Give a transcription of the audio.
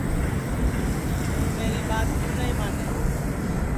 توں میری ٻات کیوں نائی مانے